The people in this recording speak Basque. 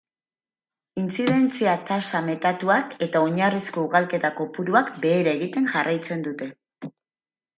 Intzidentzia-tasa metatuak eta oinarrizko ugalketa kopuruak behera egiten jarraitzen dute.